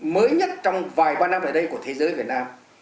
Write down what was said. mới nhất trong vài ba năm lại đây của thế giới việt nam